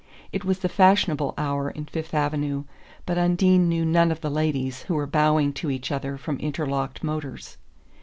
It was the fashionable hour in Fifth Avenue, but Undine knew none of the ladies who were bowing to each other from interlocked motors.